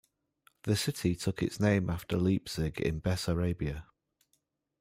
The city took its name after Leipzig in Bessarabia.